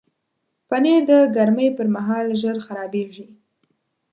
پنېر د ګرمۍ پر مهال ژر خرابیږي.